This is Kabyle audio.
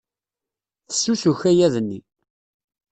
Fessus ukayad-nni.